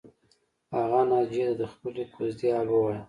هغې ناجیې ته د خپلې کوژدې حال ووایه